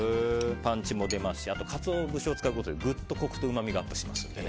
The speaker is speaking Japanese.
パンチも出ますしカツオ節を使うことでグッとうまみとコクがアップします。